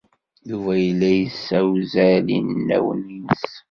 Yuba yella yessewzal inawen-nnes.